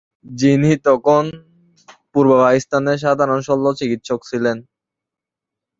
যিনি তখন পূর্ব পাকিস্তানের সাধারণ শল্য-চিকিৎসক ছিলেন।